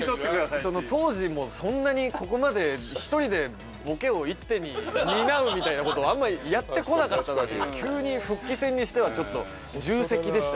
当時もそんなにここまで一人でボケを一手に担うみたいなことをあんまりやってこなかったのに急に復帰戦にしてはちょっと重責でしたね。